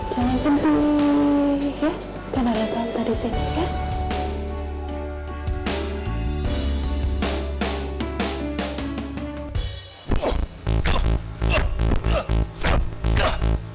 jangan sedih ya